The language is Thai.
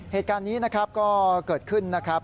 เหตุการณ์นี้นะครับก็เกิดขึ้นนะครับ